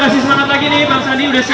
kasih semangat lagi nih bang sandi